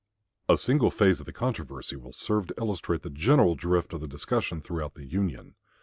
A single phase of the controversy will serve to illustrate the general drift of the discussion throughout the Union.